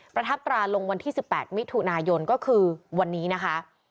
ประทับตราลงวันที่๑๘มิถุนายนก็คือวันนี้นะคะ